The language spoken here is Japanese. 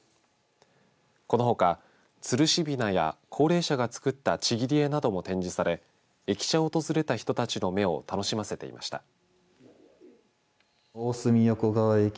このほか、つるしびなや高齢者が作ったちぎり絵なども展示され駅舎を訪れた人たちの目を楽しませていました。